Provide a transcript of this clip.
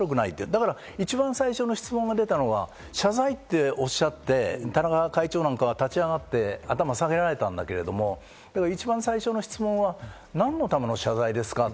だから一番最初の質問が出たのは謝罪っておっしゃって、田中会長なんかは立ち上がって、頭も下げられたんだけど、一番最初の質問は何のための謝罪ですか？